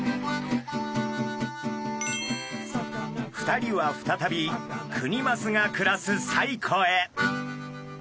２人は再びクニマスが暮らす西湖へ。